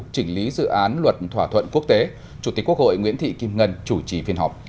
chỉnh lý dự án luật thỏa thuận quốc tế chủ tịch quốc hội nguyễn thị kim ngân chủ trì phiên họp